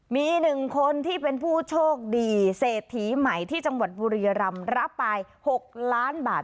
มี๑คนที่เป็นผู้โชคดีเศรษฐีใหม่ที่จังหวัดบุรียรำรับไป๖ล้านบาท